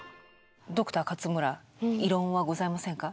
ドクター勝村異論はございませんか？